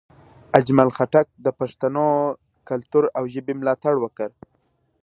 اجمل خټک د پښتنو کلتور او ژبې ملاتړ وکړ.